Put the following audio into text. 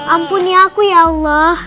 ampuni aku ya allah